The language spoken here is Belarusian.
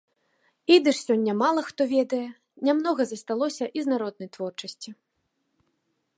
Ідыш сёння мала хто ведае, нямнога засталося і з народнай творчасці.